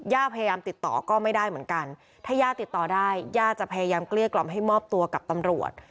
พยายามติดต่อก็ไม่ได้เหมือนกันถ้าย่าติดต่อได้ย่าจะพยายามเกลี้ยกล่อมให้มอบตัวกับตำรวจ